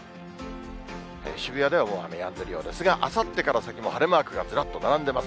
渋谷ではもう雨やんでいるようですが、あさってから先も晴れマークがずらっと並んでます。